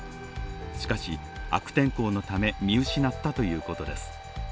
しかし、悪天候のため見失ったということです。